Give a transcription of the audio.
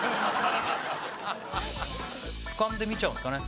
ふかんで見ちゃうんですかね。